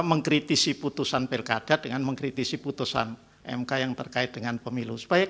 mengkritisi putusan pilkada dengan mengkritisi putusan mk yang terkait dengan pemilu sebaik